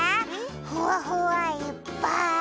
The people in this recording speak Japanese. ふわふわいっぱい！